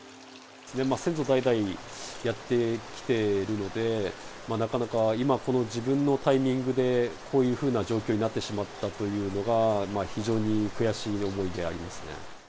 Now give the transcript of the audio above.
先祖代々やってきてるので、なかなか今この自分のタイミングで、こういうふうな状況になってしまったというのが、非常に悔しい思いでありますね。